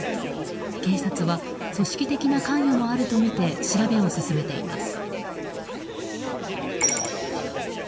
警察は組織的な関与もあるとみて調べを進めています。